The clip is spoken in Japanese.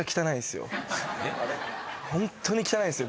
ホントに汚いんすよ。